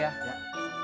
sekarang waktu beli